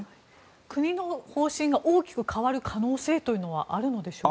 国の方針が大きく変わる可能性はあるのでしょうか。